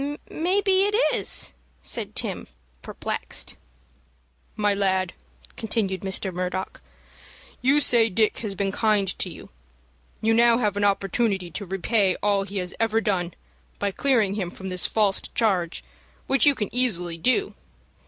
"Maybe it is," said Tim, perplexed. "My lad," continued Mr. Murdock, "you say Dick has been kind to you. You now have an opportunity to repay all he has ever done, by clearing him from this false charge, which you can easily do."